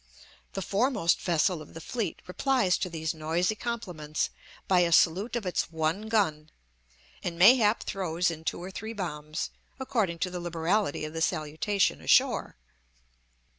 The foremost vessel of the fleet replies to these noisy compliments by a salute of its one gun, and mayhap throws in two or three bombs, according to the liberality of the salutation ashore.